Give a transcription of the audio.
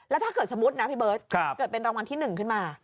ถ้าเกิดสมมุตินะพี่เบิร์ตเกิดเป็นรางวัลที่๑ขึ้นมา